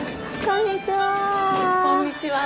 こんにちは。